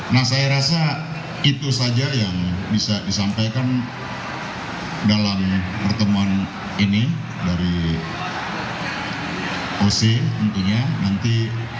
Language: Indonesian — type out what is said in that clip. nah saya rasa itu saja yang bisa disampaikan dalam pertemuan ini dari oc tentunya nanti